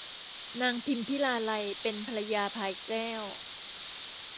นางพิมพิลาไลยเป็นภรรยาพลายแก้ว